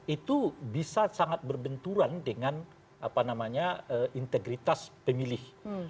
itu bisa sangat berbenturan dengan integritas pemilih